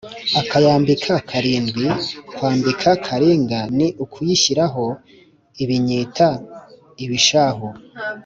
akayambika karindwi: kwambika karinga ni ukuyishyiraho ibinyita (ibishahu)